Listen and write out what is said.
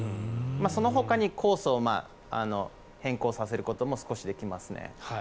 そのほかにコースを変更させることも少しできますね。